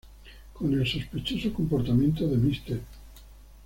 Con el sospechoso comportamiento de Mr.